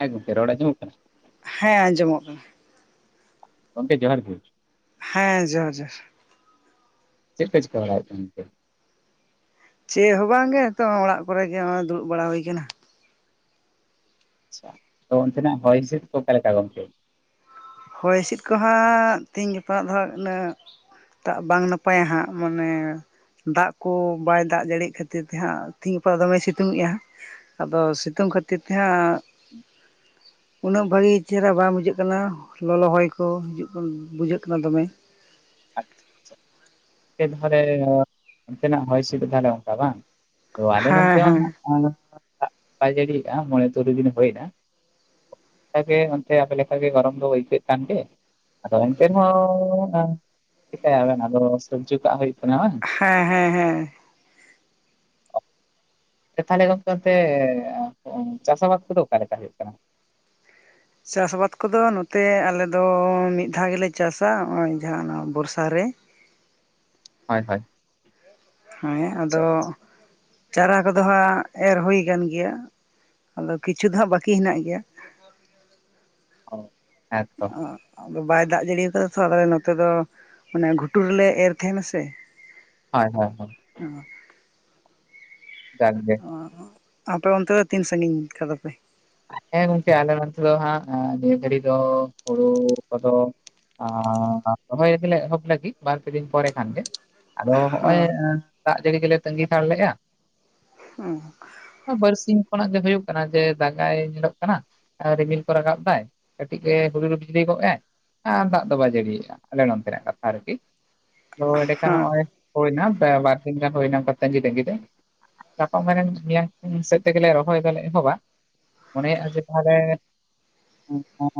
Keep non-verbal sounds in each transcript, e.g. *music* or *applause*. ᱦᱮ ᱜᱚᱢᱠᱮ ᱨᱚᱲ ᱟᱸᱡᱚᱢᱚᱜ ᱠᱟᱱᱟ᱾ ᱦᱮᱸ ᱟᱸᱡᱚᱢᱚᱜ ᱠᱟᱱᱟ᱾ ᱜᱚᱢᱠᱮ ᱡᱚᱦᱟᱨ ᱜᱮᱼᱼ ᱦᱮᱸ ᱡᱚᱦᱟᱨ ᱡᱚᱦᱟᱨ ᱪᱮᱫ ᱠᱚ ᱪᱤᱠᱟᱹ ᱵᱟᱲᱟᱭᱮᱫ ᱠᱟᱱᱛᱮ? ᱪᱮᱫ ᱦᱚᱸ ᱵᱟᱝᱜᱮ ᱱᱤᱛᱚᱜ ᱚᱲᱟᱜ ᱠᱚᱨᱮ ᱜᱮ ᱱᱚᱚᱭ ᱫᱩᱲᱩᱵ ᱵᱟᱲᱟ ᱦᱩᱭᱟᱱᱟ᱾ ᱟᱪᱪᱷᱟ ᱛᱚ ᱚᱱᱛᱮᱱᱟ ᱦᱚᱭ ᱦᱤᱥᱤᱫ ᱠᱚ ᱚᱠᱟ ᱞᱮᱠᱟ ᱜᱚᱢᱠᱮ? ᱦᱚᱭ ᱦᱤᱸᱥᱤᱫ ᱠᱚᱦᱟᱸᱜ ᱛᱮᱦᱮᱧ ᱜᱟᱯᱟ ᱫᱚ ᱦᱟᱸᱜ ᱩᱱᱟᱹᱜᱼᱼ ᱴᱟᱜ ᱵᱟᱝ ᱱᱟᱯᱟᱭᱟ ᱦᱟᱸᱜ ᱢᱟᱱᱮᱼᱼ ᱫᱟᱜ ᱠᱚ ᱵᱟᱭ ᱫᱟᱜ ᱡᱟᱹᱲᱤᱭᱮᱜ ᱠᱷᱟᱹᱛᱤᱨ ᱛᱮ ᱦᱟᱸᱜ ᱛᱮᱦᱤᱧ ᱜᱟᱯᱟ ᱫᱚᱢᱮ ᱥᱤᱛᱩᱝᱮᱜᱼᱟ ᱦᱟᱸᱜ ᱟᱫᱚ ᱥᱤᱛᱩᱝ ᱠᱷᱟᱹᱛᱤᱨ ᱛᱮᱦᱟᱸᱼᱼ ᱩᱱᱟᱹᱜ ᱵᱷᱟᱹᱜᱤ ᱪᱮᱦᱨᱟ ᱵᱟᱝ ᱵᱩᱡᱷᱟᱹᱜ ᱠᱟᱱᱟ᱾ ᱞᱚᱞᱚ ᱦᱚᱭ ᱠᱚ ᱦᱤᱡᱩᱜ ᱠᱟᱱᱟ ᱵᱩᱡᱷᱟᱹᱜ ᱠᱟᱱᱟ ᱫᱚᱢᱮ ᱟᱪᱪᱷᱟ ᱟᱪᱪᱷᱟ ᱚᱱᱛᱮ ᱫᱚ ᱛᱟᱦᱚᱞᱮ ᱚᱱᱛᱮᱱᱟᱜ ᱦᱚᱭ ᱦᱤᱥᱤᱫ ᱛᱟᱦᱚᱞᱮ ᱚᱱᱠᱟ ᱵᱟᱝ? ᱛᱚ ᱟᱞᱮ ᱦᱮᱸ ᱱᱚᱱᱛᱮ ᱦᱚᱸ ᱦᱮᱸ ᱱᱟᱦᱟᱜ ᱫᱟᱜ ᱵᱟᱭ ᱡᱟᱹᱲᱤᱭᱫᱟ ᱢᱚᱬᱮ ᱛᱩᱨᱩᱭ ᱫᱤᱱ ᱦᱩᱭᱠᱟᱱᱟ ᱚᱱᱠᱟᱜᱮ ᱚᱱᱛᱮ ᱟᱯᱮ ᱞᱮᱠᱟᱜᱮ ᱜᱚᱨᱚᱢ ᱫᱚ ᱟᱹᱭᱠᱟᱹᱜ ᱠᱟᱱᱜᱮᱼᱼ ᱟᱫᱚ ᱚᱱᱛᱮ ᱦᱚᱸᱵᱟᱝ ᱪᱤᱠᱟᱭᱟ ᱵᱮᱱ ᱟᱫᱚ ᱥᱚᱵᱽᱡᱚ ᱠᱟᱜ ᱦᱩᱭᱩᱜ ᱠᱟᱱᱟ ᱵᱟᱝ ᱦᱮᱸ ᱦᱮᱸ ᱦᱮᱸ ᱛᱟᱦᱚᱞᱮ ᱜᱚᱢᱠᱮ ᱚᱱᱛᱮ ᱪᱟᱥᱟ ᱵᱟᱥᱟ ᱠᱚᱫᱚ ᱚᱠᱟ ᱞᱮᱠᱟ ᱦᱩᱭᱩᱜ ᱠᱟᱱᱟ? ᱪᱟᱥ ᱵᱟᱥ ᱠᱚᱫᱚ ᱱᱚᱛᱮ ᱟᱞᱮ ᱫᱚ ᱢᱤᱫ ᱫᱷᱟᱣ ᱜᱮᱞᱮ ᱪᱟᱥᱟ ᱱᱚᱜ-ᱚᱭ ᱡᱟᱦᱟᱸ ᱚᱱᱟ ᱵᱚᱨᱥᱟ ᱨᱮ, ᱦᱳᱭ ᱦᱳᱭ ᱦᱮᱸ ᱟᱪᱪᱷᱟ ᱟᱫᱚᱼᱼ ᱪᱟᱨᱟ ᱠᱚᱫᱚ ᱦᱟᱸᱜ ᱮᱨ ᱦᱩᱭ ᱟᱠᱟᱱ ᱜᱮᱭᱟ ᱟᱫᱚ ᱠᱤᱪᱷᱩ ᱫᱚ ᱦᱟᱸᱜ ᱵᱟᱹᱠᱤ ᱦᱮᱱᱟᱜ ᱜᱮᱭᱟ᱾ ᱦᱮᱸ ᱛᱚ ᱚ ᱟᱫᱚ ᱵᱟᱭ ᱫᱟᱜ ᱡᱟᱹᱲᱤᱭ ᱠᱟᱫᱟ ᱛᱚ ᱟᱞᱮ ᱱᱚᱛᱮ ᱫᱚ ᱢᱟᱱᱮ ᱜᱷᱩᱴᱩ ᱨᱮᱞᱮ ᱮᱨ ᱛᱟᱦᱮᱱᱟᱥᱮᱼᱼ ᱦᱳᱭ ᱦᱳᱭ ᱚᱸ ᱡᱟᱜᱮ ᱚ ᱟᱯᱮ ᱚᱱᱛᱮ ᱫᱚ ᱛᱤᱱ ᱥᱟᱹᱜᱤᱧ ᱠᱷᱫᱟᱯᱮ? ᱦᱮᱸ ᱜᱚᱝᱠᱮ ᱟᱞᱮ ᱱᱚᱱᱛᱮ ᱫᱚ ᱦᱟᱸᱜ ᱱᱤᱭᱟᱹ ᱫᱷᱟᱹᱨᱤᱡ ᱫᱚ ᱦᱩᱲᱩ ᱠᱚᱫᱚ ᱨᱚᱦᱚᱭ ᱞᱟᱹᱜᱤᱫ ᱞᱮ ᱮᱦᱚᱵ ᱞᱟᱹᱜᱤᱜ ᱵᱟᱨᱯᱮ ᱫᱤᱱ ᱯᱚᱨᱮ ᱠᱷᱟᱱᱜᱮ ᱟᱫᱚ ᱦᱚᱜᱼᱚᱭ ᱦᱚᱸ ᱫᱟᱜ ᱡᱟᱹᱲᱤ ᱜᱮᱞᱮ ᱛᱟᱹᱜᱤ ᱦᱟᱛᱟᱲ ᱞᱮᱫᱼᱟ ᱩᱸ ᱵᱟᱹᱨᱥᱤᱧ ᱠᱷᱚᱱᱟᱜ ᱜᱮ ᱦᱩᱭᱩᱜ ᱠᱟᱱᱟ ᱡᱮᱼᱼ ᱫᱟᱜᱟᱭ ᱧᱮᱞᱚᱜ ᱠᱟᱱᱟ ᱨᱤᱢᱤᱞ ᱠᱚ ᱨᱟᱠᱟᱵ ᱫᱟᱭ ᱠᱟᱹᱴᱤᱡ ᱜᱮ ᱦᱩᱰᱩᱨ ᱵᱤᱡᱽᱞᱤ ᱜᱚᱫ ᱫᱟᱭ᱾ ᱟᱨ ᱫᱟᱜ ᱫᱚ ᱵᱟᱭ ᱡᱟᱹᱲᱤᱭᱮᱫᱼᱟ ᱟᱞᱮ ᱱᱚᱱᱛᱮᱱᱟᱜ ᱠᱟᱛᱷᱟ ᱟᱨᱠᱤ ᱛᱚ ᱮᱸᱰᱮᱠᱷᱟᱱ ᱦᱚᱸ ᱱᱚᱜᱼᱚᱭ ᱦᱩᱭ ᱮᱱᱟ ᱵᱟᱨᱥᱤᱧ ᱜᱟᱱ ᱦᱩᱭᱱᱟ ᱛᱟᱹᱜᱤ ᱛᱟᱹᱜᱤ ᱛᱮ ᱜᱟᱯᱟ ᱢᱮᱭᱟᱝ ᱥᱮᱫ ᱛᱮᱜᱮᱞᱮ ᱨᱚᱦᱚᱭ ᱫᱚᱞᱮ ᱮᱦᱚᱵᱟ᱾ ᱢᱚᱱᱮᱭᱟᱜᱼᱟ ᱡᱮ ᱛᱟᱦᱞᱮ ᱮᱱᱦᱚᱸ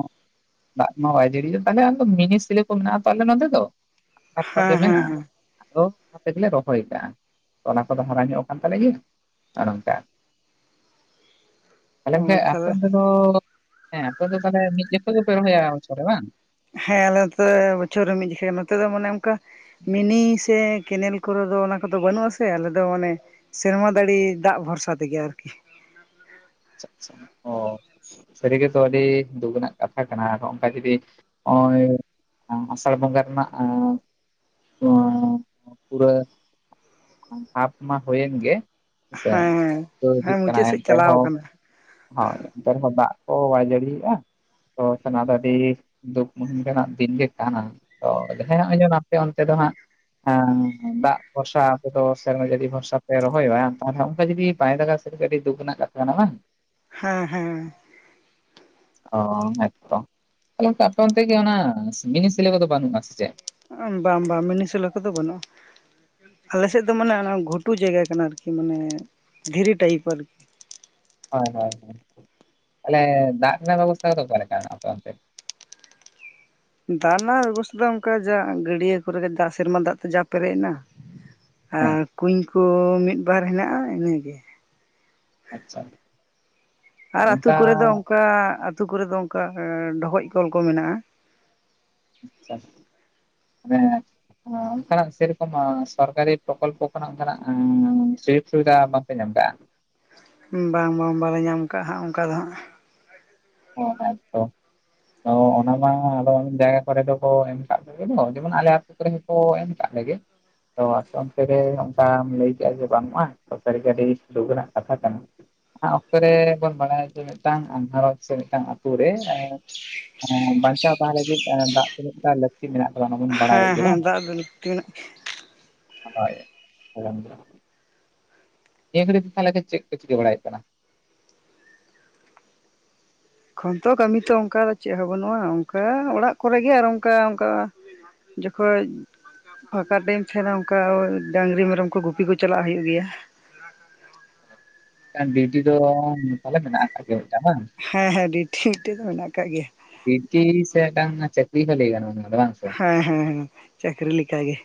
ᱫᱟᱜ ᱢᱟ ᱵᱟᱭ ᱡᱟᱹᱲᱤᱭᱮᱫ ᱛᱟᱦᱚᱞᱮ ᱟᱫᱚ ᱢᱤᱱᱤᱥᱤᱞᱤ ᱠᱚ ᱢᱮᱱᱟᱜ ᱟ ᱛᱚ ᱟᱞᱮ ᱱᱚᱛᱮ ᱫᱚᱣᱟᱜ ᱦᱮᱸ ᱜᱮ ᱦᱮᱸ ᱢᱮᱱᱟᱜᱼᱟ᱾ ᱦᱮᱸ ᱫᱚ ᱱᱚᱛᱮᱜᱮᱞᱮ ᱨᱚᱦᱚᱭ ᱟᱠᱟᱟᱜᱼᱟ ᱚᱱᱟ ᱠᱚᱫᱚ ᱦᱟᱨᱟ ᱧᱚᱜ ᱟᱠᱟᱱ ᱛᱟᱞᱮ ᱜᱮ ᱱᱚᱝᱠᱟ ᱛᱟᱦᱚᱞᱮ ᱟᱯᱮ ᱚᱱᱛᱮ ᱫᱚ ᱦᱮᱸ ᱟᱯᱮ ᱫᱚ ᱛᱟᱦᱚᱞᱮ ᱢᱤᱫ ᱡᱚᱠᱷᱚᱡ ᱜᱮᱯᱮ ᱨᱚᱦᱚᱭ ᱚᱵᱚᱪᱷᱚᱨ ᱨᱮ ᱵᱟᱝ? ᱦᱮᱸ ᱟᱞᱮ ᱱᱚᱛᱮ ᱵᱚᱪᱷᱚᱨ ᱨᱮ ᱢᱤᱫ ᱡᱚᱠᱷᱮᱡ ᱱᱚᱛᱮ ᱫᱚ ᱢᱟᱱᱮ ᱚᱱᱠᱟ᱾ ᱢᱤᱱᱤ ᱥᱮ ᱠᱮᱱᱮᱞ ᱠᱚᱨᱮ ᱫᱚ ᱚᱱᱟ ᱠᱚᱫᱚ ᱵᱟᱹᱱᱩᱜ ᱟᱥᱮ ᱟᱞᱮ ᱫᱚ ᱚᱱᱮᱼᱼ ᱥᱮᱨᱢᱟ ᱫᱟᱲᱮ ᱫᱟᱜ ᱵᱷᱚᱨᱥᱟ ᱛᱮᱜᱮ ᱟᱨᱠᱤ᱾ ᱟᱪᱪᱷᱟ ᱟᱪᱪᱷᱟ ᱚᱻ ᱥᱟᱹᱨᱤᱜᱮᱛᱚ ᱟᱹᱰᱤ ᱫᱩᱠᱟᱱᱟᱜ ᱠᱟᱛᱷᱟ ᱠᱟᱱᱟ ᱟ ᱚᱱᱠᱟ ᱡᱩᱫᱤ ᱱᱚᱜᱼᱚᱭ ᱟᱥᱟᱲ ᱵᱚᱸᱜᱟ ᱨᱮᱱᱟᱜ ᱯᱩᱨᱟᱹ ᱦᱟᱯ ᱢᱟ ᱦᱩᱭᱮᱱ ᱜᱮ ᱦᱮᱸ ᱥᱮ ᱦᱮᱸ ᱦᱤᱡᱩᱜ ᱠᱟᱱᱟ ᱢᱩᱪᱟᱹᱫ ᱥᱮᱫ ᱮᱱᱛᱮ ᱪᱟᱞᱟᱣ ᱨᱮᱦᱚᱸ ᱠᱟᱱᱟ ᱦᱳᱭ ᱚᱱᱛᱮ ᱨᱮᱦᱚᱸ ᱫᱟᱜ ᱠᱚ ᱵᱟᱭ ᱡᱟᱹᱲᱤᱭᱟᱜᱼᱟ ᱛᱚ ᱥᱟᱱᱟ ᱫᱚ ᱫᱩᱠ ᱢᱩᱦᱤᱢ ᱨᱮᱱᱟᱜ ᱫᱤᱱ ᱜᱮ ᱠᱟᱱᱟ ᱛᱚ ᱡᱟᱦᱟᱸ ᱱᱚᱜᱼᱚᱭ ᱟᱯᱮ ᱚᱱᱛᱮ ᱫᱚ ᱦᱟᱸᱜ ᱦᱟᱸ ᱫᱟᱜ ᱵᱷᱚᱨᱥᱟ ᱟᱯᱮ ᱫᱚ ᱥᱮᱨᱢᱟ ᱡᱟᱹᱲᱤ ᱵᱷᱚᱨᱥᱟ ᱯᱮ ᱨᱚᱦᱚᱭᱟ ᱛᱟᱦᱚᱞᱮ ᱚᱱᱠᱟ ᱡᱩᱫᱤ ᱵᱟᱭ ᱫᱟᱜᱟᱼᱼ ᱟᱹᱰᱤ ᱫᱩᱠ ᱨᱮᱱᱟᱜ ᱠᱟᱛᱷᱟ ᱱᱟᱦᱟᱜ ᱦᱮᱸ ᱦᱮᱸ ᱚ ᱮᱠᱫᱚᱢ ᱛᱟᱦᱚᱞᱮ ᱚᱱᱟ ᱟᱯᱮ ᱚᱱᱛᱮ ᱜᱮ ᱚᱱᱟ ᱢᱤᱱᱤ ᱥᱤᱞᱮ ᱠᱚᱫᱚ ᱵᱟᱹᱱᱩᱜᱼᱟ ᱥᱮ ᱪᱮᱫ? ᱵᱟᱝ ᱵᱟᱝ ᱢᱤᱱᱤᱤᱥᱞᱮ ᱠᱚᱫᱚ ᱵᱟᱹᱱᱩᱜᱼᱟ ᱟᱞᱮᱥᱮᱫ ᱫᱚ ᱢᱟᱱᱮ ᱚᱱᱟ ᱜᱷᱩᱴᱩ ᱡᱟᱭᱜᱟ ᱠᱟᱱᱟ ᱟᱨᱠᱤ ᱢᱟᱱᱮ ᱫᱷᱤᱨᱤ ᱴᱟᱭᱤᱯ ᱟᱨᱠᱤ ᱦᱳᱭ ᱦᱳᱭ ᱛᱟᱦᱚᱞᱮ ᱫᱟᱜ ᱨᱮᱱᱟᱜ ᱵᱮᱵᱚᱥᱛᱷᱟ ᱠᱚᱫᱚ ᱚᱠᱟ ᱞᱮᱠᱟ ᱟᱯᱮ ᱚᱱᱛᱮ? ᱫᱟᱜ ᱨᱮᱱᱟᱜ ᱵᱮᱵᱚᱥᱛᱷᱟ ᱫᱚ ᱚᱱᱠᱟ ᱡᱟ ᱜᱟᱹᱰᱭᱟᱹ ᱠᱚᱨᱮ ᱫᱟᱜ ᱥᱮᱨᱢᱟ ᱫᱟᱜ ᱛᱮ ᱡᱟ ᱯᱮᱨᱮᱡ ᱮᱱᱟ᱾ ᱦᱮᱸ ᱟᱨ ᱠᱩᱧ ᱠᱚ ᱢᱤᱫᱵᱟᱨ ᱦᱮᱱᱟᱜᱼᱟ ᱟᱨ ᱤᱱᱟᱹᱜᱮ ᱟᱪᱪᱷᱟ ᱟᱨ ᱟᱹᱛᱩᱳ ᱠᱚᱨᱮᱮᱫᱚ ᱚᱱᱠᱟ ᱟᱹᱛᱩᱳ ᱠᱚᱨᱮᱮᱫ ᱫᱚ ᱚᱱᱠᱟ ᱰᱷᱠᱚᱡ ᱠᱚᱞ ᱠᱚ ᱢᱮᱱᱟᱜᱼᱟ ᱟᱪᱪᱷᱟ ᱛ ᱚᱱᱠᱟᱱᱟᱜ ᱥᱮᱨᱚᱠᱚᱢ ᱥᱚᱨᱠᱟᱨᱤ ᱯᱨᱚᱠᱚᱞᱯᱚ ᱠᱷᱚᱱᱟᱜ ᱚᱱᱠᱟᱱᱟᱜ ᱥᱩᱡᱳᱜᱽ ᱥᱩᱵᱤᱫᱷᱟ ᱵᱟᱝᱯᱮ ᱧᱟᱢ ᱠᱟᱜᱼᱟ? ᱵᱟᱝ ᱵᱟᱝ ᱵᱟᱞᱮ ᱧᱟᱢ ᱠᱟᱜ ᱦᱟᱸᱜ ᱚᱱᱠᱟ ᱫᱚ ᱦᱟᱸᱜ ᱚ ᱟ ᱛᱚ ᱛᱚ ᱚᱱᱟ ᱢᱟ ᱟᱫᱚ ᱡᱟᱭᱜᱟ ᱠᱚᱨᱮ ᱫᱚᱠᱚ ᱮᱢ ᱠᱫ ᱠᱚᱜᱮᱚ ᱡᱮᱢᱚᱱ ᱟᱞᱮᱭᱟᱜᱼᱼ ᱥᱩᱠᱨᱤ ᱠᱚ ᱮᱢ ᱠᱟᱜ ᱞᱮᱜᱮ ᱛᱚ ᱟᱥᱮ ᱚᱱᱛᱮᱮ ᱨᱮ ᱚᱱᱠᱟᱢ ᱞᱟᱹᱭ ᱠᱮᱜᱼᱟ ᱡᱮ ᱵᱟᱹᱱᱩᱜᱼᱟ ᱥᱟᱨᱤ ᱜᱟᱹ ᱟᱹᱰᱤ ᱥᱩᱞᱳᱠ ᱨᱮᱱᱟᱜ ᱠᱟᱛᱷᱟ ᱠᱟᱱᱟ᱾ ᱚᱱᱟ ᱚᱠᱛᱚ ᱨᱮᱵᱚᱱ ᱵᱟᱲᱟᱭᱟ ᱡᱮ ᱢᱤᱫᱴᱟᱱ ᱟᱸᱜᱷᱟᱨᱚᱸᱡᱽ ᱥᱮ ᱢᱤᱫᱴᱟᱱ ᱟᱛᱳ ᱨᱮ ᱵᱟᱧᱪᱟᱣ ᱛᱟᱦᱮᱸ ᱞᱟᱹᱜᱤᱫ ᱫᱟᱜ ᱛᱤᱱᱟᱹᱜ ᱜᱟ ᱞᱟᱹᱠᱛᱤ ᱢᱮᱱᱟᱜ ᱛᱟᱵᱚᱱᱟ ᱵᱼᱼ ᱦᱮᱸ ᱦᱮᱸ ᱫᱟᱜ ᱫᱚ ᱞᱠᱛᱤ ᱢᱮᱱᱟᱜ ᱦᱳᱭ ᱱᱤᱭᱟᱹ ᱜᱷᱟᱹᱲᱤᱡ ᱛᱮ ᱛᱟᱦᱚᱞᱮ ᱪᱮᱫ ᱠᱚ ᱪᱤᱠᱤ ᱵᱟᱲᱟᱭᱮᱫ ᱠᱟᱱᱟ? ᱮᱠᱷᱚᱱ ᱛᱚ ᱠᱟᱹᱢᱤ ᱛᱚ ᱚᱱᱠᱟ ᱫᱚ ᱪᱮᱫ ᱦᱚᱸ ᱵᱟᱹᱱᱩᱜᱼᱟ ᱚᱱᱠᱟ ᱚᱲᱟᱜ ᱠᱚᱨᱮ ᱜᱮᱮ ᱟᱨ ᱚᱱᱠᱟ ᱚᱱᱠᱟ᱾ ᱡᱚᱠᱷᱚᱡ ᱯᱷᱟᱸᱠᱟ ᱴᱟᱭᱤᱢ ᱛᱟᱦᱮᱸᱱᱟ ᱚᱝᱠᱟ ᱳᱭ ᱰᱟᱝᱴᱝᱨᱤ, ᱢᱮᱨᱚᱢ ᱠᱚ ᱜᱩᱯᱤ ᱠᱚ ᱪᱟᱞᱟᱜ ᱦᱩᱭᱩᱜ ᱜᱮᱭᱟ᱾ *inaudible* ᱴᱟᱝ ᱰᱤᱭᱩᱴᱤ ᱫᱚ ᱛᱟᱦᱚᱞᱮ ᱢᱮᱱᱟᱜ ᱟᱠᱟᱫ ᱢᱤᱫᱴᱟᱝ ᱵᱟᱝ? ᱦᱮᱸ ᱦᱮᱸ ᱰᱤᱭᱩᱴᱤ ᱢᱤᱫᱴᱮᱡ ᱫᱚ ᱢᱮᱱᱟᱜ ᱠᱟᱜ ᱜᱮᱭᱟ᱾ ᱰᱤᱭᱩᱴᱤ ᱥᱮ ᱢᱤᱜᱴᱟᱝ ᱪᱟᱠᱨᱤ ᱫᱚ ᱞᱟᱹᱭ ᱜᱟᱱᱚᱜ-ᱟ ᱱᱚᱣᱟ ᱫᱚ ᱵᱟᱝᱥᱮ? ᱦᱮᱸ ᱦᱮᱸ ᱦᱮᱸ, ᱪᱟᱹᱠᱨᱤ ᱞᱮᱠᱟ ᱜᱮ᱾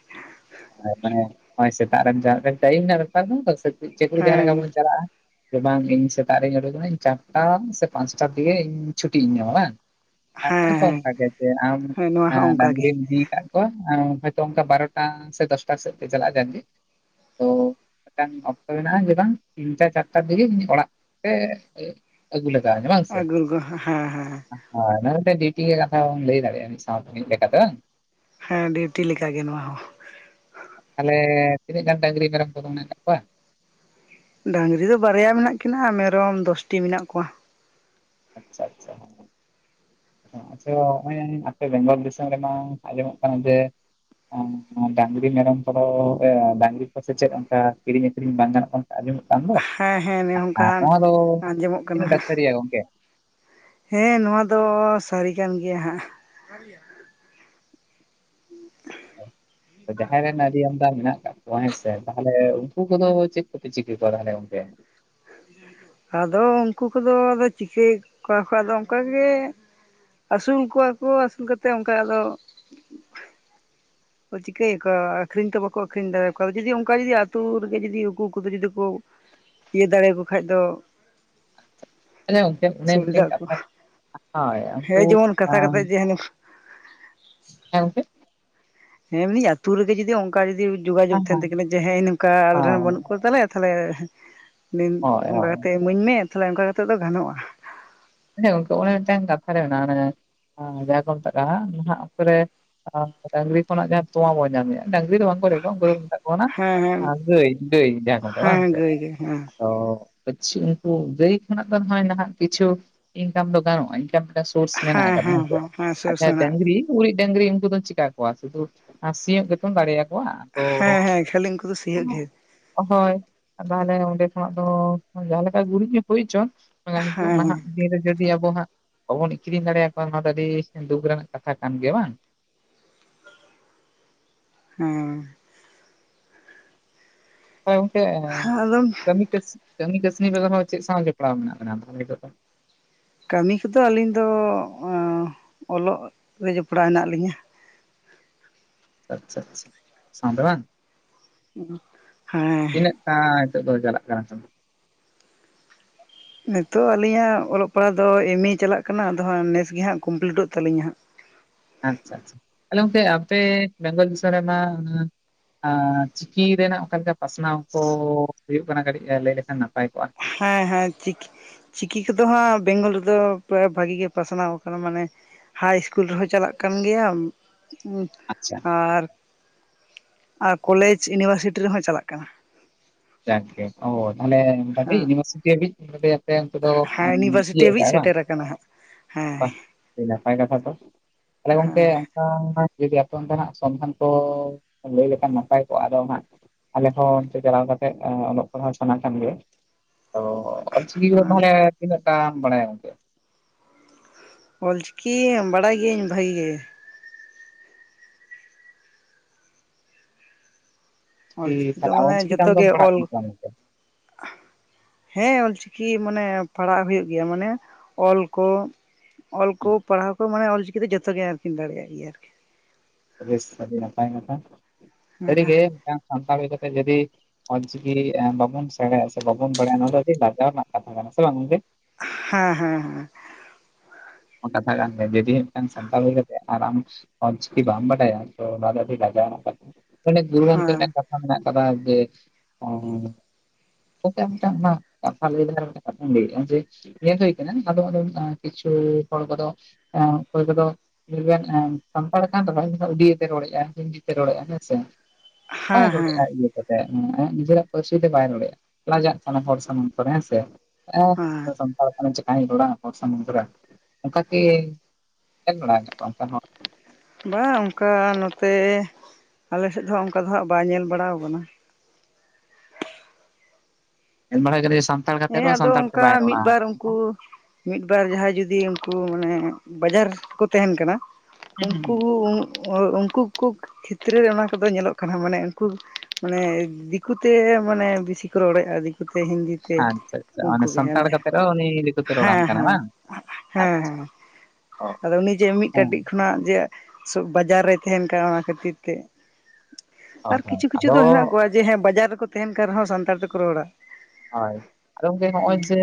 ᱦᱳᱭ ᱢᱟᱱᱮ ᱱᱚᱜᱼᱚᱭ ᱥᱮᱛᱟᱜ ᱨᱮ ᱪᱟᱜ ᱛᱮᱢ, ᱴᱟᱭᱤᱢ ᱨᱮᱱᱟᱜ ᱵᱮᱯᱟᱨ *inaudible* ᱪᱟᱹᱠᱨᱤ ᱡᱟᱦᱟᱸ ᱦᱮᱸ ᱞᱮᱠᱟ ᱵᱚᱱ ᱪᱟᱞᱟᱜᱼᱟ, *inaudible* ᱵᱟᱝ ᱤᱧ ᱥᱮᱛᱟᱜ ᱨᱤᱧ ᱩᱰᱩᱠ ᱮᱱᱟᱹᱧ ᱪᱟᱨᱴᱟ ᱥᱮ ᱯᱟᱸᱪᱴᱟ ᱫᱤᱜᱮ ᱤᱧ ᱪᱷᱩᱴᱤ ᱤᱧ ᱧᱟᱢᱟ ᱵᱟᱝ? ᱮᱠᱫᱚᱢ ᱦᱮᱸ ᱛᱚ ᱦᱮᱸ ᱚᱝᱠᱟ ᱜᱮ ᱪᱮᱫ ᱟᱢ ᱦᱮᱸ ᱱᱚᱣᱟ ᱦᱚᱸ ᱮᱸ ᱚᱱᱠᱟ ᱜᱮ ᱰᱟᱝᱨᱤᱢ ᱤᱫᱤ ᱠᱟᱜ ᱠᱚᱣᱟ *inaudible* ᱦᱚᱭᱛᱚ ᱚᱝᱠᱟ ᱵᱟᱨᱚᱴᱟ ᱥᱮ ᱫᱚᱥᱴᱟ ᱥᱮᱫ ᱯᱮ ᱪᱟᱞᱟᱜᱼᱟ ᱡᱟᱜ ᱜᱮ, ᱛᱚ ᱢᱤᱫᱴᱟᱝ ᱚᱠᱛᱚ ᱢᱮᱱᱟᱜᱼᱟ ᱡᱮ ᱵᱟᱝ ᱛᱤᱱ, ᱪᱟᱨ ᱪᱟᱨᱴᱟ ᱫᱤᱜᱮ ᱤᱧ ᱚᱲᱟᱜ ᱛᱮ ᱟᱹᱜᱩ ᱞᱟᱜᱟᱣ ᱤᱧᱟ ᱵᱟᱝ ᱥᱮ? ᱜᱩᱨ ᱦᱮᱸ ᱦᱮᱸ ᱦᱚᱭ ᱚᱱᱟ ᱫᱚ ᱢᱤᱫᱴᱤᱡ ᱰᱤᱭᱩᱴᱤ ᱜᱮ ᱠᱟᱛᱷᱟᱢ ᱞᱟᱹᱭ ᱫᱟᱲᱮᱭᱟᱜᱼᱟ ᱢᱤᱫ ᱥᱟᱶᱛᱮ, ᱢᱤᱫ ᱞᱮᱠᱟᱛᱮ ᱵᱟᱝ? ᱦᱮᱸ ᱰᱤᱭᱩᱴᱤ ᱞᱮᱠᱟ ᱜᱮ ᱱᱚᱣᱟ ᱦᱚᱸ᱾ ᱛᱟᱞᱦᱮ ᱛᱤᱱᱟᱹᱜ ᱜᱟᱱ ᱰᱟᱝᱨᱤ ᱢᱮᱨᱚᱢ ᱠᱚᱫᱚ ᱢᱮᱱᱟᱜ ᱠᱟᱜ ᱠᱚᱣᱟ? ᱰᱟᱝᱨᱤ ᱫᱚ ᱵᱟᱨᱭᱟ ᱢᱮᱱᱟᱜ ᱠᱤᱱᱟ ᱢᱮᱨᱚᱢ ᱫᱚᱥᱴᱤ ᱢᱮᱱᱟᱜ ᱠᱚᱣᱟ᱾ ᱟᱪᱪᱷᱟ ᱟᱪᱪᱷᱟ ᱦᱳ᱾ *inaudible* ᱟᱪᱪᱷᱟᱳ *inaudible* ᱟᱯᱮ ᱵᱮᱝᱜᱚᱞ ᱫᱤᱥᱚᱢ ᱨᱮᱢᱟ ᱟᱸᱡᱚᱢᱚᱜ ᱠᱟᱱᱟ ᱡᱮ *inaudible* ᱰᱟᱝᱨᱤ ᱢᱮᱨᱚᱢ ᱠᱚᱫᱚ ᱚᱸ ᱰᱟᱝᱨᱤ ᱠᱚ ᱥᱮ ᱪᱮᱫ ᱚᱝᱠᱟ ᱠᱤᱨᱤᱧ ᱟᱠᱷᱨᱤᱧ ᱵᱟᱝ ᱜᱟᱱᱚᱜ ᱠᱟᱱᱟ? ᱟᱸᱡᱚᱢᱚᱜ ᱠᱟᱱ ᱫᱚ᱾ ᱦᱮᱸ ᱦᱮᱸ ᱱᱮ ᱚᱝᱠᱟ, ᱟᱨ ᱱᱚᱣᱟ ᱫᱚ ᱟᱸᱡᱚᱢᱚᱜ ᱠᱟᱱᱟ ᱛᱤᱱᱟᱹᱜ ᱴᱟ ᱦᱟᱸᱜ ᱾ ᱥᱟᱹᱨᱤᱭᱟ ᱜᱚᱝᱠᱮ ᱦᱮᱸ ᱱᱚᱣᱟ ᱫᱚ ᱥᱟᱹᱨᱤ ᱠᱟᱱ ᱜᱮᱭᱟ ᱦᱟᱸᱜ᱾ *unintelligible* ᱛᱚ ᱡᱟᱦᱟᱸᱭ ᱨᱮᱱ ᱟᱹᱰᱤ ᱟᱢᱫᱟ ᱢᱮᱱᱟᱜ ᱠᱟᱜ ᱠᱚᱣᱟ ᱦᱮᱸ ᱥᱮ, ᱛᱟᱦᱚᱞᱮ ᱩᱱᱠᱩ ᱠᱚᱫᱚ ᱪᱮᱫ ᱠᱚᱯᱮ ᱪᱤᱠᱟᱹ ᱠᱚᱣᱟ ᱛᱟᱦᱚᱞᱮ ᱜᱚᱝᱠᱮ? ᱟᱫᱚ ᱩᱱᱠᱩ ᱠᱚᱫᱚ ᱟᱫᱚ ᱪᱤᱠᱟᱹᱭᱮᱜ ᱠᱚᱣᱟ ᱠᱚ ᱟᱫᱚ ᱚᱝᱠᱟ ᱜᱮ ᱟᱹᱥᱩᱞ ᱠᱚᱣᱟ ᱠᱚ ᱟᱹᱥᱩᱞ ᱠᱟᱛᱮᱜ ᱚᱱᱠᱟ ᱟᱫᱚ ᱠᱚ ᱪᱤᱠᱟᱹᱭᱟᱠᱚ ᱟᱠᱷᱨᱤᱧ ᱛᱚ ᱵᱟᱠᱚ ᱟᱹᱠᱷᱨᱤᱧ ᱫᱟᱲᱮᱭᱟᱠᱚᱣᱟ, ᱟᱫᱚ ᱡᱩᱫᱤ ᱚᱝᱠᱟ ᱡᱩᱫᱤ ᱟᱛᱩ ᱨᱮᱜᱮ ᱡᱩᱫᱤ ᱩᱠᱩ ᱩᱠᱩ ᱛᱮ ᱡᱩᱫᱤ ᱠᱚ ᱤᱭᱟᱹ ᱫᱟᱲᱮ ᱟᱠᱚ ᱠᱷᱟᱡ ᱫᱚ ᱟᱪᱪᱷᱟ ᱜᱚᱝᱠᱮ ᱚᱱᱮ ᱢᱤᱫᱴᱮᱱ ᱥᱩᱵᱤᱫᱟᱜ ᱟᱠᱚ, ᱠᱟᱛᱷᱟ ᱦᱳᱭ ᱩᱱᱠᱩ ᱦᱮᱸ ᱡᱮᱢᱚᱱ ᱠᱟᱛᱷᱟ ᱟᱸ ᱠᱟᱛᱷᱟ ᱡᱮ ᱦᱟᱹᱱᱤ ᱦᱮᱸ ᱜᱚᱝᱠᱮ! ᱦᱮᱸ ᱮᱢᱱᱤ ᱟᱹᱛᱩ ᱨᱮᱜᱮ ᱡᱩᱫᱤ ᱚᱝᱠᱟ ᱡᱩᱫᱤ ᱡᱳᱜᱟ ᱡᱳᱜ ᱦᱮᱸ ᱛᱟᱦᱮᱱ ᱦᱮᱸ ᱛᱟᱠᱤᱱᱟ ᱡᱮ ᱦᱮᱸ ᱤᱧ ᱱᱚᱝᱠᱟ ᱟᱞᱮ ᱨᱮᱱ ᱵᱟᱹᱱᱩᱜ ᱦᱳᱭ ᱠᱚᱣᱟ ᱛᱟᱦᱚᱞᱮ ᱛᱟᱦᱚᱞᱮ, *inaudible* ᱦᱳᱭ ᱚᱝᱠᱟ ᱠᱟᱛᱮ ᱤᱢᱟᱹᱧ ᱢ, ᱮ ᱛᱟᱦᱚᱞᱮ ᱚᱝᱠᱟ ᱠᱟᱛᱮᱜ ᱫᱚ ᱜᱟᱱᱚᱜᱼᱟ᱾ ᱵᱩᱡᱷᱟᱹᱣ ᱜᱚᱝᱠᱮ ᱚᱱᱮ ᱢᱤᱫᱴᱟᱹᱝ ᱠᱟᱛᱷᱟ ᱨᱮ ᱢᱮᱱᱟᱜ-ᱟ ᱚᱱᱮ ᱟᱸ ᱡᱟᱦᱟᱸ ᱠᱚ ᱢᱮᱛᱟᱜ ᱠᱟᱱᱟ, ᱱᱟᱦᱟᱜ ᱚᱠᱛᱚ ᱨᱮ ᱰᱟᱝᱨᱤ ᱠᱷᱚᱱᱟᱜ ᱡᱟᱦᱟᱸ ᱛᱳᱣᱟ ᱵᱚᱱ ᱧᱟᱢᱮᱜᱼᱟ, ᱰᱟᱝᱨᱤ ᱫᱚ ᱵᱟᱝ ᱠᱚ ᱞᱟᱹᱭ ᱠᱚᱣᱟ ᱩᱱᱠᱩ ᱫᱚ ᱢᱮᱛᱟᱜ ᱠᱚ ᱠᱟᱱᱟ, ᱦᱮᱸ ᱦᱮᱸ ᱟᱸ ᱜᱟᱹᱭ ᱜᱟᱹᱭ ᱡᱟᱸᱦᱟ ᱠᱚ ᱢᱮᱛᱟᱜ-ᱟ ᱵᱟᱝ ᱦᱮᱸ ᱥᱮ? ᱜᱟᱹᱭ ᱜᱮ ᱦᱮᱸ ᱚ, ᱟᱪᱪᱷᱟ ᱩᱱᱠᱩ ᱜᱟᱹᱭ ᱠᱷᱚᱱᱟᱜ ᱫᱚ ᱱᱚᱜ-ᱚᱭ ᱱᱟᱦᱟᱜ ᱠᱤᱪᱷᱩ ᱤᱱᱠᱟᱢ ᱫᱚ ᱜᱟᱱᱚᱜᱼᱟ, ᱤᱱ ᱠᱟᱢ ᱴᱟᱜ ᱥᱳᱨᱥ ᱢᱮᱱᱟᱜᱼᱟ ᱠᱟᱫᱟ ᱦᱮᱸ ᱥᱮ, ᱟᱪᱪᱷᱟ ᱰᱟᱝᱨᱤᱼᱼ ᱩᱨᱤᱡ ᱰᱟᱹᱝᱨᱤ ᱩᱱᱠᱩ ᱫᱚᱢ ᱪᱤᱠᱟ ᱠᱚᱣᱟ ᱥᱩᱫᱷᱩ ᱟ ᱥᱤᱭᱩᱜᱼᱼ ᱛᱚᱢ ᱫᱟᱲᱮᱭᱟ ᱠᱚᱣᱟ, ᱛᱚᱼᱼ ᱦᱮᱸ ᱦᱮᱸ ᱠᱷᱟᱹᱞᱤ ᱩᱱᱠᱩ ᱫᱚ ᱥᱤᱭᱳᱜ ᱜᱮ ᱚ ᱦᱳᱭ, ᱟᱫᱚ ᱟᱞᱮ ᱚᱸᱰᱮ ᱠᱷᱚᱱᱟᱜ ᱫᱚ ᱡᱟᱦᱟᱸ ᱞᱮᱠᱟ ᱜᱩᱨᱤᱡᱽ ᱜᱮ ᱦᱩᱭ ᱦᱚᱪᱚᱱ ᱢᱟᱱᱮ ᱦᱤᱛᱚᱜ ᱱᱟᱦᱟᱜ ᱦᱮᱸ ᱫᱤᱱ ᱨᱮ ᱡᱩᱫᱤ ᱟᱵᱚ ᱦᱟᱸᱜ, ᱵᱟᱵᱚᱱ ᱟᱠᱷᱤᱨᱤᱧ ᱫᱟᱲᱮᱭᱟ ᱠᱚᱣᱟ ᱱᱚᱣᱟ ᱫᱚ ᱟᱹᱰᱤ ᱫᱩᱠ ᱨᱮᱱᱟᱜ ᱠᱟᱛᱷᱟ ᱠᱟᱱ ᱜᱮᱭᱟ᱾ ᱵᱟᱝ? ᱦᱮᱸ᱾ *unintelligible* ᱜᱚᱝᱠᱮᱻ ᱦᱮᱸ ᱟᱫᱚᱢ ᱠᱟᱹᱢᱤ ᱠᱟᱹᱥ, ᱠᱟᱹᱢᱤ ᱠᱟᱹᱥᱱᱤ ᱵᱮᱜᱚᱨ ᱦᱚᱸ ᱪᱮᱫ ᱥᱟᱶ ᱡᱚᱯᱲᱟᱣ ᱢᱮᱱᱟᱜ ᱵᱮᱱᱟ ᱛᱟᱦᱞᱮ ᱱᱤᱛᱚᱜ ᱫᱚ? ᱠᱟᱹᱢᱤ ᱠᱚᱫᱚ ᱟᱹᱞᱤᱧ ᱫᱚ ᱚᱞᱚᱜ ᱨᱮ ᱡᱚᱯᱲᱟᱣ ᱦᱮᱱᱟᱜ ᱞᱤᱧᱟ᱾ ᱟᱪᱪᱷᱟ ᱟᱪᱷᱟ ᱥᱟᱸᱣᱛᱮ ᱵᱟᱝ? ᱦᱮᱸ ᱟᱸ ᱱᱤᱛᱚᱜ ᱫᱚ ᱪᱟᱞᱟᱜ ᱠᱟᱱᱟᱼᱼ ᱱᱤᱛᱚᱜ ᱟᱹᱞᱤᱧᱟᱸᱜ ᱚᱞᱚᱜ ᱯᱟᱲᱦᱟᱜ ᱫᱚ ᱮᱢ ᱤ ᱪᱟᱞᱟᱜ ᱠᱟᱱᱟ ᱟᱫᱚ ᱦᱟᱸᱜ ᱱᱮᱥ ᱜᱮ ᱦᱟᱸᱜ ᱠᱚᱢᱯᱞᱤᱴᱚᱜ ᱛᱟᱹᱞᱤᱧᱟ ᱦᱟᱸᱜᱼᱼ ᱟᱪᱪᱷᱟ ᱟᱪᱪᱷᱟ ᱛᱟᱞᱦᱮ ᱜᱚᱝᱠᱮ ᱟᱯᱮ ᱵᱮᱝᱜᱚᱞ ᱫᱤᱥᱚᱢ ᱨᱮᱢᱟᱼᱼ ᱪᱤᱠᱤ ᱨᱮᱱᱟᱜ ᱚᱠᱟ ᱞᱮᱠᱟ ᱯᱟᱥᱱᱟᱣ ᱠᱚ ᱦᱩᱭᱩᱜ ᱠᱟᱱᱟ ᱠᱟᱹᱴᱤᱡ ᱞᱟᱹᱭ ᱞᱮᱠᱷᱟᱱ ᱱᱟᱯᱟᱭ ᱠᱚᱜᱼᱟ? ᱦᱮᱸ ᱦᱮᱸ ᱪᱤᱠᱼᱼ ᱪᱤᱠᱤ ᱠᱚᱫᱚ ᱦᱟᱸᱜ ᱵᱮᱝᱜᱚᱞ ᱨᱮᱫᱚᱵᱟ ᱵᱷᱟᱜᱤ ᱜᱮ ᱯᱟᱥᱱᱟᱣ ᱠᱟᱱᱟ ᱢᱟᱱᱮᱼᱼ ᱦᱟᱭ ᱤᱥᱠᱩᱞ ᱨᱮᱦᱚᱸ ᱪᱟᱞᱟᱜ ᱠᱟᱱ ᱜᱮᱭᱟ ᱩᱸ ᱼᱼ ᱟᱪᱪᱷᱟ᱾ ᱟᱨ ᱟᱨ ᱠᱚᱞᱮᱡᱽ ᱤᱭᱩᱱᱤᱵᱷᱟᱨᱥᱤᱴᱤ ᱨᱮᱦᱚᱸ ᱪᱟᱞᱟᱜ ᱠᱟᱱᱟ᱾ ᱡᱟᱠ ᱜᱮ ᱚ ᱛᱟᱦᱞᱮ ᱦᱮᱸ ᱤᱭᱩᱱᱤᱵᱷᱟᱨᱥᱤᱴᱤ ᱦᱟᱹᱵᱤᱡᱽ ᱛᱟᱞᱦᱮ ᱯᱮ ᱼᱼ ᱛᱟᱞᱦᱮ ᱱᱤᱛᱚ ᱫᱚ ᱦᱮᱸ ᱟᱸ ᱤᱭᱩᱱᱤᱵᱷᱟᱨᱥᱤᱴᱤ ᱛᱤᱭᱟᱹᱜ ᱦᱟᱹᱵᱤᱡ ᱠᱟᱜᱼᱟᱭ ᱥᱮᱴᱮᱨ ᱟᱠᱟᱱᱟ ᱦᱟᱸᱜ ᱦᱮᱸ ᱵᱟᱝ ᱟᱹᱰᱤ ᱱᱟᱯᱟᱭ ᱠᱟᱛᱷᱟ ᱛᱚ᱾ ᱛᱟᱞᱦᱮ ᱜᱚᱝᱠᱮᱼᱼ ᱦᱮᱸ ᱟᱸ ᱡᱩᱫᱤ ᱟᱯᱮ ᱚᱱᱛᱮ ᱱᱟᱜ ᱥᱚᱱᱫᱷᱟᱱ ᱠᱚ ᱞᱟᱹᱭ ᱞᱮᱠᱷᱟᱱ ᱱᱟᱯᱟᱭ ᱠᱚᱜᱼᱟ ᱟᱫᱚ ᱦᱟᱸᱜᱼᱼ ᱟᱞᱮ ᱦᱚᱸ ᱥᱮ ᱪᱟᱞᱟᱣ ᱠᱟᱛᱮᱼᱼ ᱚᱞᱚᱜ ᱯᱟᱲᱦᱟᱣ ᱥᱟᱱᱟ ᱠᱟᱱ ᱜᱮ ᱛᱚ ᱚᱞᱪᱤᱠᱤ ᱫᱚ ᱛᱟᱦᱞᱮᱼᱼ ᱛᱤᱱᱟᱹᱜ ᱴᱟᱢ ᱵᱟᱲᱟᱭᱟ ᱜᱚᱢᱠᱮ? ᱚᱞ ᱪᱤᱠᱤ ᱵᱟᱲᱟᱭ ᱜᱤᱭᱟᱹᱟᱹᱧ ᱵᱷᱟᱜᱤ ᱜᱮ᱾ ᱪᱤᱠᱤ ᱚᱞᱪᱤᱠᱤ ᱫᱚ ᱛᱟᱦᱞᱮ ᱟᱢ ᱢᱟᱱᱮ ᱚᱞᱪᱤᱠᱤ ᱛᱮ ᱡᱚᱛᱚ ᱟᱢᱫᱚᱢ ᱜᱮ ᱯᱟᱲᱦᱟᱜ ᱠᱟᱱᱟ ᱚᱞ ᱥᱮ ᱵᱟᱝ ᱜᱚᱢᱠᱮᱼᱼ ᱦᱮᱸ ᱚᱞᱪᱤᱠᱤ ᱢᱟᱱᱮ ᱯᱟᱲᱦᱟᱜ ᱦᱩᱭᱩᱜ ᱜᱮᱭᱟ ᱢᱟᱱᱮ ᱚᱞ ᱠᱚᱼᱼ ᱚᱞ ᱠᱩ ᱦᱩᱸ, ᱯᱟᱲᱦᱟᱣ ᱠᱩ ᱢᱟᱱᱮ ᱚᱞ ᱪᱤᱠᱤ ᱫᱚ ᱡᱚᱛᱚᱜᱮ ᱟᱨᱠᱤᱱ ᱫᱟᱲᱮᱭᱟᱜ ᱜᱮᱭᱟ ᱟᱨᱠᱤᱼᱼ ᱵᱮᱥ ᱟᱹᱰᱤ ᱱᱟᱯᱟᱭ ᱱᱟᱯᱟᱭ ᱦᱮᱸ ᱦᱮᱸ ᱥᱟᱹᱨᱤᱜᱮ ᱢᱤᱫᱴᱟᱝ ᱥᱟᱱᱛᱟᱲ ᱦᱩᱭ ᱠᱟᱛᱮᱜ ᱡᱩᱫᱤᱼᱼ ᱚᱞᱪᱤᱠᱤ ᱮᱸ ᱵᱟᱵᱚᱱ ᱥᱮᱸᱬᱟᱭᱟ ᱥᱮ ᱵᱟᱵᱚᱱ ᱵᱟᱲᱟᱭᱟ ᱱᱚᱶᱟ ᱫᱚ ᱟᱹᱰᱤ ᱞᱟᱡᱟᱣ ᱨᱮᱱᱟᱜ ᱠᱟᱛᱷᱟ ᱠᱟᱱᱟ ᱥᱮ ᱵᱟᱝ ᱜᱚᱝᱠᱮ᱾ ᱦᱮᱸ ᱦᱮᱸ ᱦᱮᱸ ᱚᱱᱟ ᱠᱟᱛᱷᱟ ᱠᱟᱱ ᱡᱮ ᱡᱩᱫᱤᱳ ᱢᱤᱫᱴᱟᱝ ᱥᱟᱱᱛᱟᱲ ᱦᱩᱭ ᱠᱟᱛᱮ ᱟᱨ ᱟᱢᱼᱼ ᱚᱞ ᱪᱤᱠᱤ ᱵᱟᱢ ᱵᱟᱰᱟᱭᱟ ᱛᱚ ᱚᱱᱟᱫᱚ ᱟᱹᱰᱤ ᱞᱟᱡᱟᱣ ᱨᱮᱱᱟᱜ ᱠᱟᱛᱷᱟ ᱢᱟᱱᱮ ᱫᱩᱨᱼᱼ ᱦᱮᱸ ᱢᱮᱱᱟᱜ ᱠᱟᱫᱟ ᱡᱮ ᱩᱸᱼᱼ ᱜᱚᱝᱠᱮ ᱢᱤᱫᱴᱟᱝ ᱚᱱᱟ ᱠᱟᱛᱷᱟ ᱞᱟᱹᱭ ᱞᱮᱠᱷᱟᱱ ᱢᱤᱫᱴᱟᱝ ᱠᱟᱛᱷᱟ ᱞᱤᱧ ᱞᱟᱹᱭᱮᱜᱼᱟ ᱡᱮ ᱼᱼ ᱧᱮᱞ ᱦᱩᱭ ᱠᱟᱱᱟ ᱟᱫᱚᱢ ᱟᱫᱚᱢ ᱟᱸ ᱠᱤᱪᱷᱩ ᱦᱚᱲ ᱠᱚᱫᱚ ᱟᱸ ᱚᱠᱚᱭ ᱠᱚᱫᱚ ᱼᱼ ᱥᱟᱱᱛᱟᱲ ᱠᱟᱱ ᱨᱮᱦᱚᱸᱭ ᱩᱰᱤᱭᱟᱹ ᱛᱮ ᱨᱚᱲᱮᱜᱼᱟ ᱦᱤᱱᱫᱤ ᱛᱮ ᱨᱚᱲᱮᱜᱼᱟ ᱦᱮᱸ ᱥᱮ᱾ ᱵᱟᱭ ᱨᱚᱲᱮᱜᱼᱟ ᱦᱮᱸ ᱟᱡᱜᱮ᱾ ᱟᱭᱟᱜ ᱱᱤᱡᱮᱨᱟᱜ ᱯᱟᱹᱨᱥᱤ ᱛᱮ ᱵᱟᱭ ᱨᱚᱲᱮᱜᱼᱟ ᱞᱟᱡᱟᱜ ᱠᱟᱱᱟ ᱦᱚᱲ ᱥᱟᱢᱟᱝ ᱠᱚᱨᱮ ᱦᱮᱸ ᱥᱮ᱾ ᱦᱮᱸ ᱮᱸ ᱥᱟᱸᱱᱛᱟᱲ ᱠᱟᱹᱱᱟᱹᱧ ᱪᱮᱠᱟᱧ ᱨᱚᱲᱟ ᱦᱚᱲ ᱥᱟᱢᱟᱝ ᱠᱚᱨᱮ᱾ ᱚᱝᱠᱟ ᱠᱤ ᱧᱮᱞ ᱵᱟᱲᱟᱣ ᱠᱟᱫ ᱠᱚᱣᱟᱢ ᱚᱱᱠᱟᱱ ᱦᱚᱲ? ᱵᱟᱝ ᱚᱱᱠᱟ ᱱᱚᱛᱮ ᱟᱞᱮᱥᱮᱫ ᱫᱚ ᱦᱟᱸᱜ ᱚᱱᱠᱟ ᱫᱚ ᱦᱟᱸᱜ ᱵᱟᱭ ᱧᱮᱞ ᱵᱟᱲᱟᱣ ᱠᱟᱱᱟ᱾ ᱮᱱ ᱵᱟᱲᱟᱜᱟ ᱡᱟᱱᱤ ᱥᱟᱢᱼᱼ ᱦᱮᱸ ᱟᱫᱚ ᱚᱝᱠᱟ ᱢᱤᱫ ᱵᱟᱨ ᱩᱝᱠᱩᱼᱼ ᱢᱤᱫ ᱵᱟᱨ ᱡᱟᱦᱟᱸᱭ ᱡᱩᱫᱤ ᱩᱝᱠᱩ ᱢᱟᱱᱮ ᱵᱟᱡᱟᱨ ᱨᱮ ᱠᱚ ᱛᱟᱦᱮᱱ ᱠᱟᱱᱟ ᱩᱝᱠᱩᱼᱼ ᱚ ᱩᱝᱠᱩ ᱠᱩᱜ ᱠᱷᱮᱛᱨᱮ ᱨᱮ ᱚᱱᱟ ᱠᱚᱫᱚ ᱧᱮᱞᱚᱜ ᱠᱟᱱᱟ ᱢᱟᱱᱮ ᱩᱱᱠᱩ ᱢᱟᱱᱮ ᱫᱤᱠᱩᱛᱮ ᱢᱟᱱᱮ ᱵᱮᱥᱤ ᱠᱚ ᱨᱚᱲᱮᱫᱼᱟ ᱫᱤᱠᱩ, ᱥᱮ ᱦᱤᱱᱫᱤ ᱾ ᱟᱪᱪᱷᱟ ᱟᱪᱪᱷᱟ ᱢᱟᱱᱮ ᱩᱱᱠᱩ ᱜᱮ ᱦᱮ ᱥᱟᱱᱛᱟᱲ ᱦᱮᱸ ᱠᱟᱛᱮᱫ ᱨᱮᱦᱚᱸ ᱩᱱᱤ ᱫᱤᱠᱩᱛᱮ ᱨᱚᱲᱟᱢ ᱦᱮᱸ ᱠᱟᱱᱟ ᱵᱟᱝ ᱦᱮᱸ ᱟᱪᱪᱷᱟ ᱦᱮᱸ ᱾ ᱚ ᱟᱫᱚ ᱩᱱᱤ ᱡᱮ ᱢᱤᱫ ᱦᱮᱸ ᱠᱟᱹᱴᱤᱡ ᱠᱷᱚᱱᱟᱜ ᱡᱮ, ᱵᱟᱡᱟᱨ ᱨᱮᱭ ᱛᱟᱦᱮᱱ ᱠᱟᱱᱟ ᱚᱱᱟ ᱠᱷᱟᱹᱛᱤᱨ ᱛᱮ ᱦᱳᱭ ᱟᱨ ᱦᱳᱭ ᱠᱤᱪᱷᱩ ᱠᱤᱪᱷᱩ ᱟᱫᱚ ᱫᱚ ᱦᱮᱱᱟᱜ ᱠᱚᱣᱟ᱾ ᱡᱮ ᱦᱮᱸ ᱵᱟᱡᱟᱨ ᱨᱮᱠᱚ ᱛᱟᱦᱮᱱ ᱠᱟᱱ ᱨᱮᱦᱚᱸ ᱥᱟᱱᱛᱟᱲ ᱛᱮᱠᱚ ᱨᱚᱲᱟ᱾ ᱦᱳᱭ ᱟᱫᱚ ᱜᱚᱝᱠᱮ ᱱᱚᱜᱼᱚᱭ ᱡᱮᱼᱼ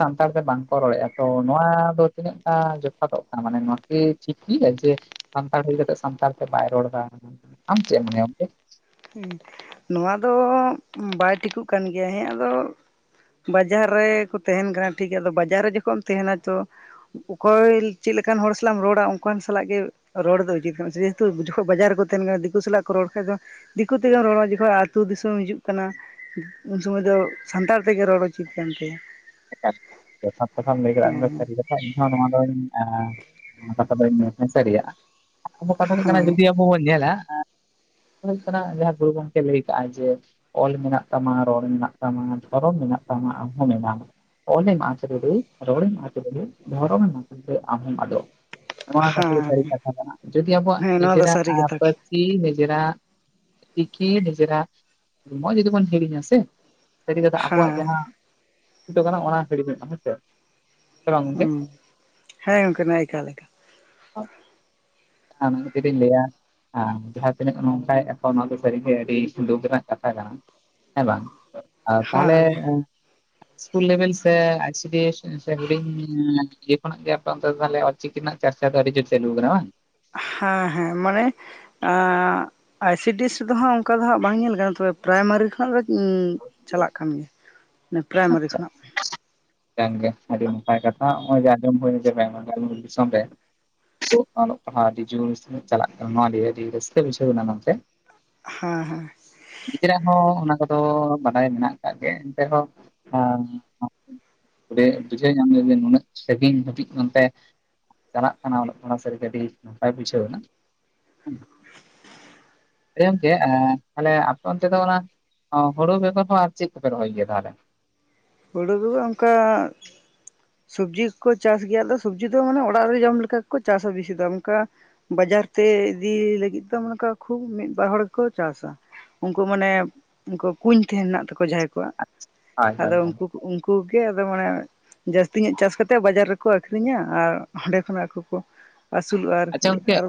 ᱥᱟᱱᱛᱟᱲ ᱛᱮ ᱵᱟᱝᱠᱚ ᱨᱚᱲᱮᱫᱼᱟ ᱛᱚ ᱱᱚᱣᱟ ᱫᱚ ᱛᱤᱱᱟᱹᱜ ᱜᱟ ᱡᱚᱛᱷᱟᱛᱚᱜ ᱠᱟᱱᱟ ᱢᱟᱱᱮ ᱱᱚᱣᱟᱠᱤ ᱴᱷᱤᱠ ᱜᱮᱭᱟ ᱡᱮ? ᱥᱟᱱᱛᱟᱲ ᱦᱳᱭ ᱠᱟᱛᱮᱜ ᱥᱟᱱᱛᱟᱲ ᱛᱮ ᱵᱟᱭ ᱨᱚᱲ ᱫᱟ ᱟᱢ ᱪᱮᱫ ᱢᱚᱱᱮ ᱜᱚᱝᱠᱮ? ᱱᱚᱣᱟ ᱫᱚ ᱵᱟᱭ ᱴᱷᱤᱠᱚᱜ ᱠᱟᱱ ᱜᱮᱭᱟ ᱦᱮᱸ ᱟᱫᱚᱼᱼ ᱵᱟᱡᱟᱨ ᱨᱮᱠᱚ ᱛᱟᱦᱮᱱ ᱠᱟᱱᱟ ᱴᱷᱤᱠ ᱜᱮᱭᱟ ᱟᱫᱚ ᱵᱟᱡᱟᱨ ᱨᱮ ᱡᱚᱠᱷᱚᱡ ᱮᱢ ᱛᱟᱦᱮᱱᱟ ᱛᱚᱼᱼ ᱚᱠᱚᱭ ᱪᱮᱫᱞᱮᱠᱟᱱ ᱦᱚᱲ ᱥᱟᱞᱟᱜ ᱮᱢ ᱨᱚᱲᱟ ᱚᱱᱠᱟᱱ ᱥᱟᱞᱟᱜ ᱜᱮᱼᱼ ᱨᱚᱲ ᱫᱚ ᱩᱪᱤᱛ ᱠᱟᱱᱟ ᱡᱮᱦᱮᱛᱩ ᱡᱚᱠᱷᱚᱡ ᱵᱟᱡᱟᱨ ᱨᱮᱠᱚ ᱛᱟᱦᱮᱱ ᱠᱟᱱᱟ ᱫᱤᱠᱩ ᱥᱟᱞᱟᱜ ᱠᱚ ᱨᱚᱲ ᱠᱷᱟᱡ ᱫᱚᱼᱼ ᱫᱤᱠᱩ ᱛᱮᱜᱮ ᱨᱚᱲ ᱡᱚᱠᱷᱚᱱ ᱟᱹᱛᱩᱳ ᱫᱤᱥᱚᱢ ᱦᱤᱡᱩᱜ ᱠᱟᱱᱟ᱾ ᱩᱱ ᱥᱩᱚᱢᱚᱭ ᱫᱚ ᱥᱟᱱᱛᱟᱲ ᱛᱮᱜᱮ ᱨᱚᱲ ᱩᱪᱤᱛ ᱠᱟᱱ ᱛᱟᱭᱟ᱾ ᱡᱚᱛᱷᱟᱛ ᱠᱟᱛᱷᱟᱢ ᱞᱟᱹᱭ ᱠᱮᱫᱟᱼᱼ ᱤᱧ ᱦᱮᱸ ᱱᱚᱣᱟ ᱫᱚ ᱠᱟᱛᱷᱟ ᱫᱚ ᱢᱮᱱ ᱥᱟᱨᱤᱣᱟᱜᱼᱟ ᱠᱟᱛᱷᱟ ᱦᱩᱭᱩᱜ ᱠᱟᱱᱟ ᱦᱮᱸ ᱡᱩᱫᱤᱼᱼ ᱟᱵᱚ ᱵᱚᱱ ᱧᱮᱞᱟ ᱦᱩᱭᱩᱜ ᱠᱟᱱᱟ ᱡᱟᱦᱟᱸ ᱜᱩᱨᱩ ᱜᱚᱝᱠᱮ ᱞᱟᱹᱭ ᱠᱟᱜᱼᱟ ᱡᱮᱼᱼ ᱚᱞ ᱢᱮᱱᱟᱜ ᱛᱟᱢᱟ ᱨᱚᱲ ᱢᱮᱱᱟᱜ ᱛᱟᱢᱟ ᱫᱷᱚᱨᱚᱢ ᱢᱮᱱᱟᱜ ᱛᱟᱢᱟ ᱟᱢᱦᱚᱸ ᱢᱮᱱᱟᱢᱟ᱾ ᱚᱞ ᱮᱢ ᱟᱫ ᱞᱮᱨᱮ‌, ᱨᱚᱨ ᱮᱢ ᱟᱫ ᱞᱮᱨᱮ, ᱫᱷᱚᱨᱚᱢ ᱟᱫ ᱞᱮᱨᱮ ᱟᱢ ᱦᱚᱢ ᱟᱫᱚᱜᱼᱟ᱾ ᱱᱚᱣᱟ ᱠᱟᱛᱷᱟ ᱫᱚ ᱥᱟᱹᱨᱤ ᱦᱮᱸ ᱠᱟᱛᱷᱟ ᱠᱟᱱᱟ ᱡᱩᱫᱤ ᱟᱵᱚᱣᱟᱜ ᱦᱮᱸ ᱱᱚᱣᱟ ᱫᱚ ᱱᱤᱡᱮᱨᱟᱜ ᱥᱟᱹᱨᱤ ᱠᱟᱛᱷᱟ ᱯᱟᱨᱥᱤᱼᱼ ᱴᱤᱠᱤ ᱱᱤᱡᱨᱟ ᱪᱤᱠᱤ ᱱᱤᱡᱨᱟᱢ ᱚᱜᱚᱭ ᱡᱫᱤ ᱵᱚᱱ ᱦᱤᱲᱤᱧᱟ ᱥᱮᱼᱼ ᱥᱟᱹᱨᱤ ᱠᱟᱛᱮ ᱟᱵᱚᱣᱟᱜ ᱦᱮᱸ ᱡᱟᱦᱟᱸ ᱪ ᱠᱟᱱᱟ ᱚᱱᱟ ᱦᱤᱲᱤᱧᱚᱜᱼᱟ ᱦᱮᱸᱥᱮ, ᱦᱩᱸ ᱦᱮᱸ ᱜᱚᱝᱠᱮ ᱱᱟ ᱮᱠᱟᱞ ᱮᱠᱟᱞ᱾ ᱟᱢ ᱛᱤᱨᱮᱢ ᱞᱟᱹᱭᱟ᱾ ᱡᱟᱦᱟᱸ ᱛᱤᱱᱟᱹᱜ ᱱᱝᱠᱟᱭᱫᱟ ᱚᱱᱟ ᱫᱚ ᱥᱟᱨᱤ ᱟᱹᱰᱤ ᱫᱩᱠ ᱨᱮᱱᱟᱜ ᱠᱟᱛᱷᱟ ᱠᱟᱱᱟ ᱦᱮᱸ ᱵᱟᱝ? ᱛᱟᱦᱚᱞᱮᱼᱼ ᱦᱮᱸ ᱥᱚᱠᱩᱞ ᱞᱮᱵᱮᱞ ᱥᱮ ᱟᱭᱥᱤᱮᱥ ᱦᱩᱰᱤᱧ ᱤᱭᱟ ᱠᱷᱚᱱᱟᱜ ᱜᱮ ᱟᱯᱮ ᱚᱱᱛᱮ ᱫᱚ ᱟᱞᱼᱪᱤᱠᱤᱼᱼ ᱪᱤᱠᱤᱱᱟ ᱪᱟᱨᱪᱟ ᱫᱚ ᱟᱰᱤ ᱡᱳᱨ ᱪᱟᱞᱩ ᱠᱟᱱᱟ ᱵᱟᱝ? ᱦᱮᱸ ᱦᱮᱸ ᱢᱟᱱᱮ, ᱟᱭᱥᱤᱰᱤᱭ ᱮᱥ ᱨᱮ ᱦᱜ ᱚᱱᱠᱟ ᱫᱚ ᱦᱜ ᱵᱟᱝ ᱧᱮᱞ ᱠᱟᱱᱟ ᱛᱚᱵᱮ ᱯᱨᱟᱭᱢᱟᱨᱤ ᱠᱷᱚᱱᱟᱜ ᱫᱚᱼᱼ ᱤ ᱪᱟᱞᱟᱜ ᱠᱟᱱ ᱜᱮᱭᱟ᱾ ᱯᱨᱟᱭᱢᱟᱨᱤ ᱟᱪᱪᱷᱟ ᱾ ᱠᱷᱚᱱᱟᱜ ᱠᱟᱱ ᱜᱮ ᱟᱹᱰᱤ ᱱᱟᱯᱟᱭ ᱠᱟᱛᱷᱟ ᱱᱚᱜ ᱚᱭ ᱡᱮ ᱟᱸᱡᱚᱢ ᱦᱩᱭᱱᱟ ᱡᱮ ᱵᱟᱝ ᱟᱵ ᱫᱤᱥᱚᱢ ᱨᱮᱼᱼ ᱛ ᱚᱞᱚᱜ ᱯᱟᱲᱦᱟᱜ ᱟᱹᱰᱤ ᱡᱳᱨ ᱪᱟᱞᱟᱜ ᱠᱟᱱᱟ ᱱᱚᱣᱟ ᱟᱹᱰᱤ ᱨᱟᱹᱥᱠᱟᱹ ᱵᱩᱡᱷᱟᱹᱣ ᱠᱟᱱᱟ ᱱᱚᱛᱮ᱾ ᱦᱮᱸ ᱦᱮᱸ᱾ ᱱᱤᱡᱮᱨᱟᱜ ᱦᱚᱸ ᱚᱱᱟ ᱠᱚᱫᱚ ᱵᱟᱰᱟᱭ ᱢᱮᱱᱟᱜ ᱟᱠᱟᱫ ᱜᱮᱭᱟ ᱮᱱᱛᱮᱦᱚᱸᱼᱼ ᱵᱩᱡᱷᱟᱹᱣ ᱧᱟᱢ ᱞᱮ ᱡᱮ ᱱᱩᱱᱟᱹᱜ ᱥᱟᱹᱜᱤᱧ ᱦᱟᱹᱵᱤᱡ ᱚᱱᱛᱮ, ᱪᱟᱞᱟᱜ ᱠᱟᱱᱟ ᱚᱞᱚᱜ ᱯᱟᱲᱟ ᱥᱟᱹᱨᱤᱜᱮ ᱟᱹᱰᱤ ᱱᱟᱯᱟᱭ ᱵᱩᱡᱷᱟᱹᱣ ᱮᱱᱟ ᱦᱮᱸ᱾ ᱦᱮᱸ ᱜᱚᱢᱠᱮ ᱛᱟᱞᱦᱮ ᱟᱯᱮ ᱚᱱᱛᱮ ᱫᱚ ᱚᱱᱟᱼᱼ ᱚ ᱦᱩᱲᱩ ᱵᱮᱜᱟᱨ ᱦᱚᱸ ᱟᱨ ᱪᱮᱫ ᱠᱚᱯᱮ ᱨᱚᱦᱚᱭ ᱜᱮᱭᱟ ᱛᱟᱦᱚᱞᱮ? ᱦᱩᱲᱩ ᱫᱚ ᱚᱱᱠᱟᱼᱼ ᱥᱚᱵᱽᱡᱤ ᱠᱚᱠᱚ ᱪᱟᱥ ᱜᱮᱭᱟ ᱟᱫᱚ ᱥᱚᱵᱡᱤ ᱫᱚ ᱢᱟᱱᱮ ᱚᱲᱟᱜ ᱨᱮ ᱡᱚᱢ ᱞᱮᱠᱟ ᱜᱮᱠᱚ ᱪᱟᱥᱟ, ᱵᱮᱥᱤ ᱫᱚ ᱚᱱᱠᱟ᱾ ᱵᱟᱡᱟᱨ ᱛᱮ ᱤᱫᱤ ᱞᱟᱹᱜᱤᱫ ᱫᱚ ᱚᱱᱠᱟ ᱠᱷᱩᱵ ᱢᱤᱫᱵᱟᱨ ᱦᱚᱲ ᱜᱮᱠᱚ ᱪᱟᱥᱟ᱾ ᱩᱱᱠᱩ ᱢᱟᱱᱮ ᱩᱱᱠᱩ ᱠᱩᱧ ᱛᱟᱦᱮᱱ ᱦᱮᱱᱟᱜ ᱛᱟᱠᱚᱣᱟ ᱡᱟᱦᱟᱸᱭ ᱠᱚᱣᱟᱜ ᱦᱳᱭ ᱦᱳᱭ ᱟᱫᱚᱼᱼ ᱦᱳᱭ ᱩᱱᱠᱩ ᱜᱮ ᱟᱫᱚ ᱢᱟᱱᱮ‌ᱼᱼ ᱡᱟᱹᱥᱛᱤ ᱧᱚᱜ ᱪᱟᱥ ᱠᱟᱛᱮᱫ ᱵᱟᱡᱟᱨ ᱨᱮᱠᱚ ᱟᱠᱷᱨᱤᱧᱟ ᱟᱨ ᱚᱸᱰᱮ ᱠᱷᱚᱱᱟᱜ ᱟᱠᱚ ᱠᱚᱼᱼ ᱟᱹᱥᱩᱞᱚᱜᱼᱟ ᱟᱪᱪᱷᱟ ᱟᱨᱠᱤ ᱜᱚᱝᱠᱮ ᱟᱨᱼᱼ